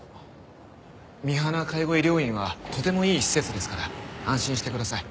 見花介護医療院はとてもいい施設ですから安心してください。